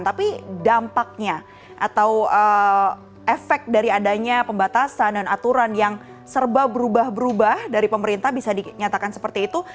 tapi dampaknya atau efek dari adanya pembatasan dan aturan yang serba berubah berubah dari pemerintah bisa dinyatakan seperti itu